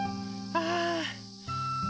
ああ！